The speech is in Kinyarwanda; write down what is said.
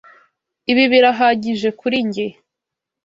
Ibi birahagije kuri njye.